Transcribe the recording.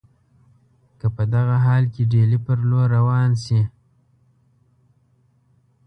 که په دغه حال کې ډهلي پر لور روان شي.